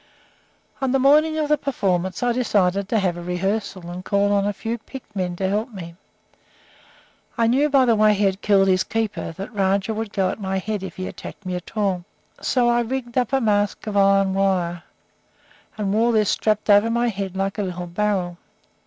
"On the morning of the performance I decided to have a rehearsal, and called on a few picked men to help me. I knew by the way he had killed his keeper that Rajah would go at my head if he attacked me at all, so I rigged up a mask of iron wire, and wore this strapped over my head like a little barrel.